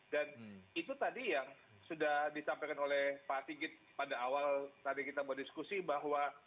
dan itu tadi yang sudah disampaikan oleh pak tigit pada awal tadi kita berdiskusi bahwa